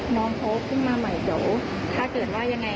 น้องเขาขึ้นมาใหม่เดี๋ยวถ้าเกิดว่ายังไง